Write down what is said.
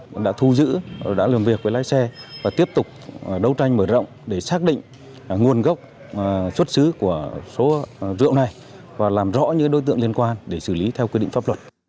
cũng đã thu giữ đã làm việc với lái xe và tiếp tục đấu tranh mở rộng để xác định nguồn gốc xuất xứ của số rượu này và làm rõ những đối tượng liên quan để xử lý theo quy định pháp luật